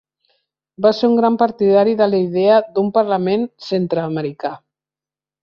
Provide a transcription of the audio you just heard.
Va ser un gran partidari de l'idea d'un parlament centreamericà.